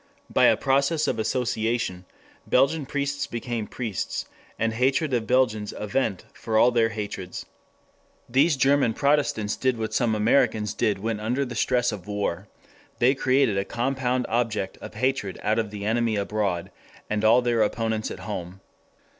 By a process of association, Belgian priests became priests, and hatred of Belgians a vent for all their hatreds. These German protestants did what some Americans did when under the stress of war they created a compound object of hatred out of the enemy abroad and all their opponents at home.